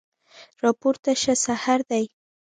راپورته شه سحر دی